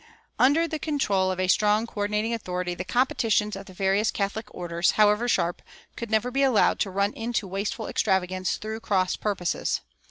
Under the control of a strong coördinating authority the competitions of the various Catholic orders, however sharp, could never be allowed to run into wasteful extravagance through cross purposes.